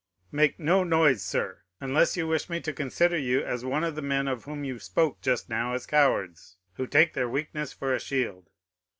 "'"Make no noise, sir, unless you wish me to consider you as one of the men of whom you spoke just now as cowards, who take their weakness for a shield.